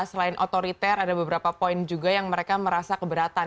selain otoriter ada beberapa poin juga yang mereka merasa keberatan